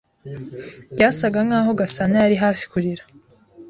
Byasaga nkaho Gasanayari hafi kurira.